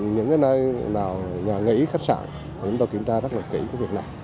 những nơi nào nhà nghỉ khách sạn chúng ta kiểm tra rất là kỹ cái việc này